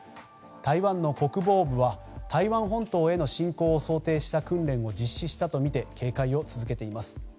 台湾の軍本部は台湾本島への侵攻を想定した訓練を実施したとみて警戒を続けています。